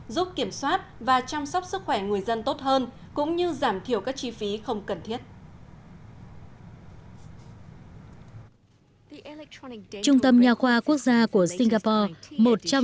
giúp kiểm soát và chăm sóc sức khỏe người dân tốt hơn